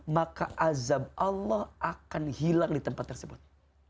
maka azab allah akan hilang di tempat tersebut